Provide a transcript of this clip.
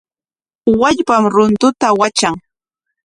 Wallpam runtuta watran.